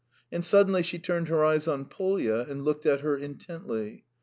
And suddenly she turned her eyes on Polya and looked at her intently.